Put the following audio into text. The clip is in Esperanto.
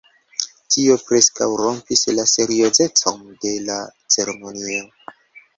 Tio preskaŭ rompis la seriozecon de la ceremonio.